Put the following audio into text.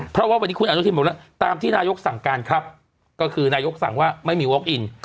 เพราะว่าวันนี้คุณอนุทินหมดแล้วตามที่นายกสั่งการครับก็คือนายกสั่งว่าไม่มีวอคอิน